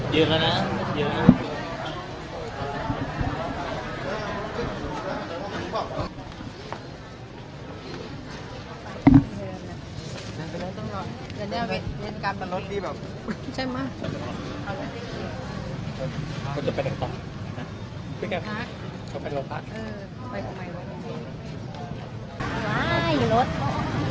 ยืนแล้วนะยืน